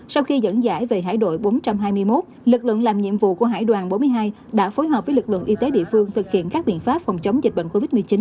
sau khi dẫn dải về hải đội bốn trăm hai mươi một lực lượng làm nhiệm vụ của hải đoàn bốn mươi hai đã phối hợp với lực lượng y tế địa phương thực hiện các biện pháp phòng chống dịch bệnh covid một mươi chín